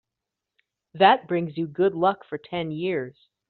That brings you good luck for ten years.